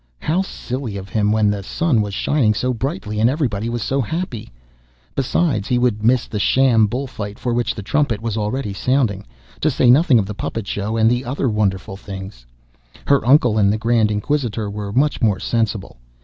How silly of him, when the sun was shining so brightly, and everybody was so happy! Besides, he would miss the sham bull fight for which the trumpet was already sounding, to say nothing of the puppet show and the other wonderful things. Her uncle and the Grand Inquisitor were much more sensible.